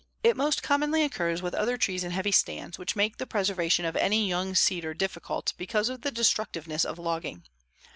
It most commonly occurs with other trees in heavy stands, which make the preservation of any young cedar difficult because of the destructiveness of logging.